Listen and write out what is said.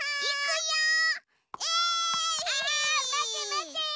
あまてまて！